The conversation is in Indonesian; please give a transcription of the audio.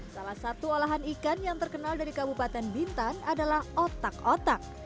salah satu olahan ikan yang terkenal dari kabupaten bintan adalah otak otak